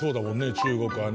中国はね。